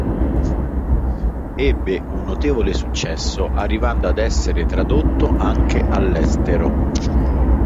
Ebbe un notevole successo, arrivando ad essere tradotto anche all'estero.